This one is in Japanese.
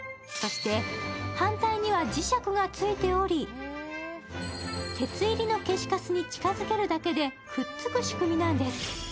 そして、反対には磁石が付いており、鉄入りの消しかすに近づけるだけでくっつく仕組みなんです。